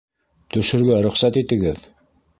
Төшөргә рөхсәт итегеҙ...